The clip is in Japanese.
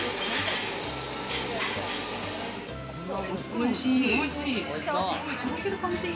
おいしい。